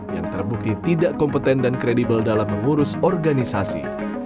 yang terbukti tidak kompeten dan kredibel dalam mengurus organisasi